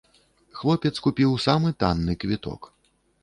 Хлопец купіў самы танны квіток.